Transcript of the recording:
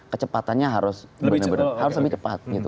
kecepatannya harus lebih cepat